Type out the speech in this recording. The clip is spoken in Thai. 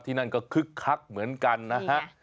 นั่นก็คึกคักเหมือนกันนะฮะ